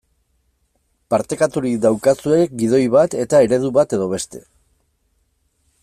Partekaturik daukazue gidoi bat eta eredu bat edo beste.